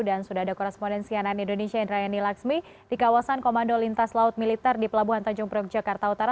dan sudah ada korespondensi anani indonesia indra yanni laksmi di kawasan komando lintas laut militer di pelabuhan tanjung priok jakarta utara